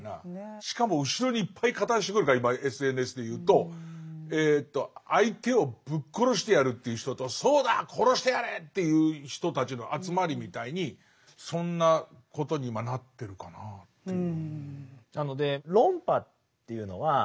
しかも後ろにいっぱい加担してくるから今ＳＮＳでいうと「相手をぶっ殺してやる」という人と「そうだ殺してやれ」っていう人たちの集まりみたいにそんなことに今なってるかなあっていう。